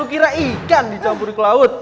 sepuluh kira ikan dicampur ke laut